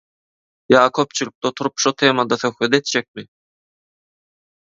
Ýa köpçülikde oturyp şo temada söhbet etjekmi?